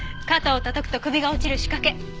肩をたたくと首が落ちる仕掛け。